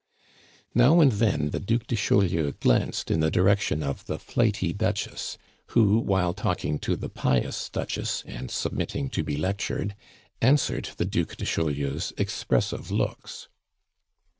Now and then the Duc de Chaulieu glanced in the direction of the flighty Duchess, who, while talking to the pious Duchess and submitting to be lectured, answered the Duc de Chaulieu's expressive looks.